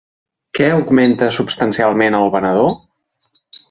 Què augmenta substancialment el venedor?